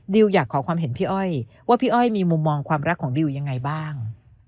อยากขอความเห็นพี่อ้อยว่าพี่อ้อยมีมุมมองความรักของดิวยังไงบ้าง